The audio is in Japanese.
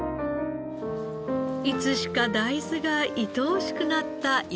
いつしか大豆がいとおしくなった山下さん。